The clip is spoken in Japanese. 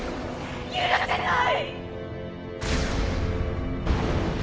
許せない！